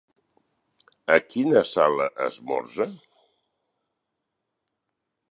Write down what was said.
A quina sala esmorza?